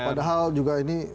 padahal juga ini